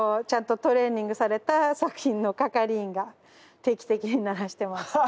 ちゃんとトレーニングされた作品の係員が定期的に鳴らしてます。